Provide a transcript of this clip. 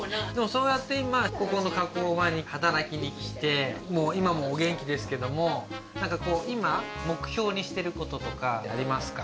そうやって今ここの加工場に働きに来てもう今もお元気ですけどもなんかこう今目標にしてることとかありますか？